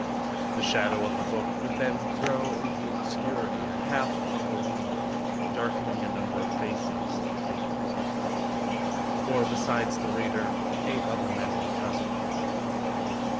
The shadow of the book would then throw into obscurity a half of the room, darkening a number of faces and figures; for besides the reader, eight other men were present.